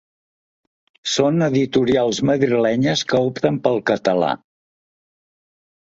Són editorials madrilenyes que opten pel català.